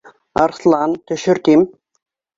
Арыҫлан, төшөр, тим